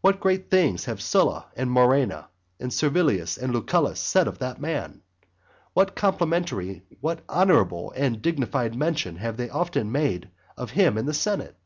What great things have Sylla, and Murena, and Servilius, and Lucullus said of that man; what complimentary, what honourable and dignified mention have they often made of him in the senate!